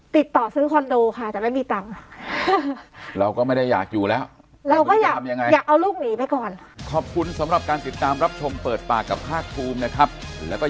ติดต่อซื้อคอนโดค่ะแต่ไม่มีตังค์